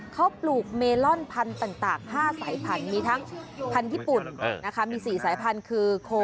เขาปลูกเมลอนพันธุ์ต่าง๕สายพันธุ์